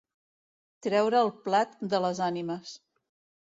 Treure el plat de les ànimes.